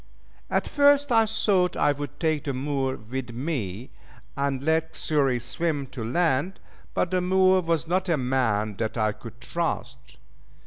At first I thought I would take the Moor with me, and let Xury swim to land; but the Moor was not a man that I could trust.